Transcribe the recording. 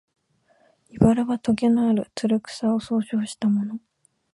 「茨」はとげのある、つる草を総称したもの